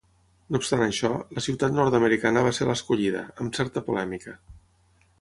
No obstant això, la ciutat nord-americana va ser l'escollida, amb certa polèmica.